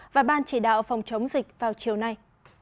và ban chỉ đạo phòng chống dịch vào chiều nay